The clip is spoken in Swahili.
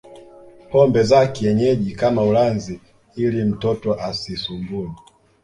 pombe za kienyeji kama ulanzi ili mtoto asisumbue